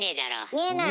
見えない。